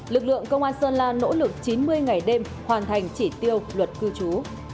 lực lượng công an sơn la nỗ lực chín mươi ngày đêm hoàn thành chỉ tiêu luật cư trú